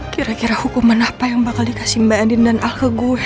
kira kira hukuman apa yang bakal dikasih mbak adin dan al ke gue